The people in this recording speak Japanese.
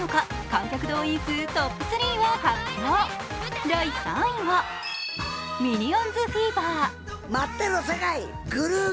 観客動員数トップ３を発表、第３位は「ミニオンズフィーバー」。